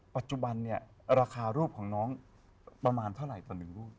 ปัจจุบันเนี่ยราคารูปของน้องประมาณเท่าไหร่ต่อ๑รูป